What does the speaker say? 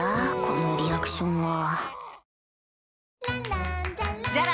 このリアクションは